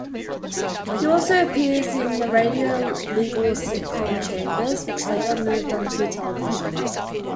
He also appeared in the radio legal sitcom "Chambers", which later moved onto television.